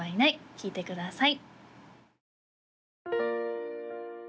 聴いてください